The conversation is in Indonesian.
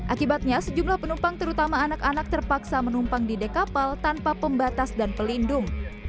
akibatnya sejumlah penumpang terutama anak anak terpaksa menumpang di dek kapal tanpa pembatas dan pelindung